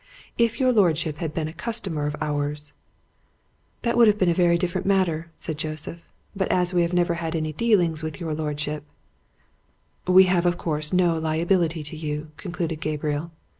If your lordship had been a customer of ours " "That would have been a very different matter," said Joseph. "But as we have never had any dealings with your lordship " "We have, of course, no liability to you," concluded Gabriel.